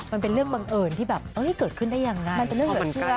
มันเป็นเรื่องบังเอิญที่แบบเกิดขึ้นได้ยังไง